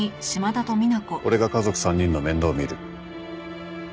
俺が家族３人の面倒を見る。